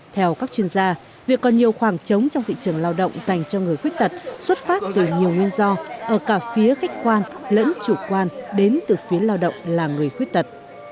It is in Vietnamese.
theo các chuyên gia việc còn nhiều khoảng trống trong thị trường lao động dành cho người khuyết tật xuất phát từ nhiều nguyên do ở cả phía khách quan lẫn chủ quan đến từ phía lao động là người khuyết tật